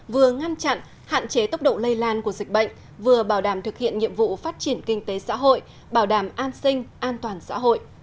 vừa ngăn chặn hạn chế tốc độ lây lan của dịch bệnh vừa bảo đảm thực hiện nhiệm vụ phát triển kinh tế xã hội bảo đảm an sinh an toàn xã hội